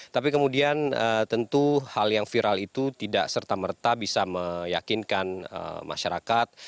tapi kemudian tentu hal yang viral itu tidak serta merta bisa meyakinkan masyarakat